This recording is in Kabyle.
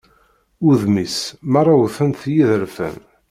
Udem-is merra wwten-t yiḍerfan.